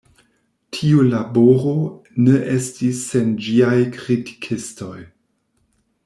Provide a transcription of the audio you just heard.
Tiu laboro ne estis sen ĝiaj kritikistoj.